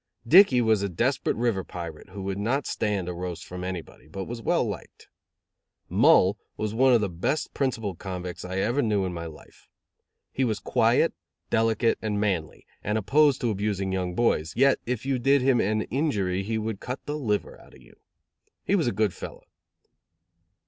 Dickey was a desperate river pirate who would not stand a roast from anybody, but was well liked. Mull was one of the best principled convicts I ever knew in my life. He was quiet, delicate and manly, and opposed to abusing young boys, yet if you did him an injury he would cut the liver out of you. He was a good fellow.